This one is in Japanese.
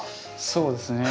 そうですね。